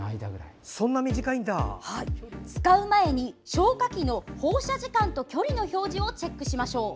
使う前に消火器の放射時間と距離の表示をチェックしましょう。